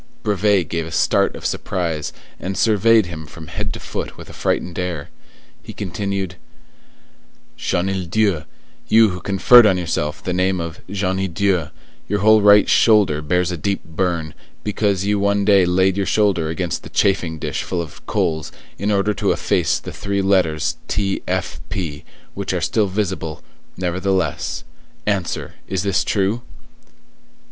Brevet gave a start of surprise, and surveyed him from head to foot with a frightened air. He continued:— "Chenildieu, you who conferred on yourself the name of 'Jenie Dieu,' your whole right shoulder bears a deep burn, because you one day laid your shoulder against the chafing dish full of coals, in order to efface the three letters T. F. P., which are still visible, nevertheless; answer, is this true?"